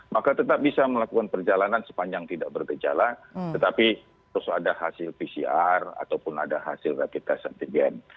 maka tetap bisa melakukan perjalanan sepanjang tidak bergejala tetapi harus ada hasil pcr ataupun ada hasil rapid test antigen